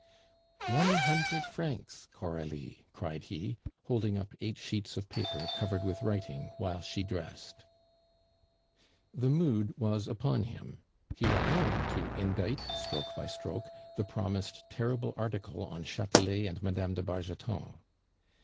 "One hundred francs, Coralie!" cried he, holding up eight sheets of paper covered with writing while she dressed. The mood was upon him; he went on to indite, stroke by stroke, the promised terrible article on Chatelet and Mme. de Bargeton.